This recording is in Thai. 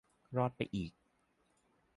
รอดไปอีก